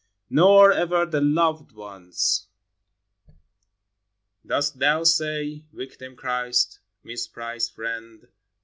Nor ever the "Loved Once" Dost Thou say, Victim Christ, misprized friend.